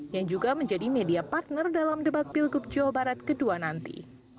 yang juga menjadi media partner dalam debat pilkup jawa barat ke dua nanti